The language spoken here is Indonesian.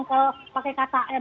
kalau pakai kata m